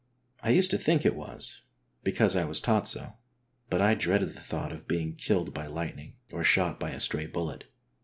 I used to think it was, because I was taught so. But I dreaded the thought of being killed by lightning, or shot by a stray bullet.